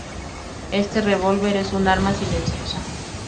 Este revólver es un arma silenciosa.